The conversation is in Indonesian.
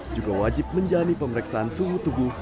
juga wajib menjalani pemeriksaan suhu tubuh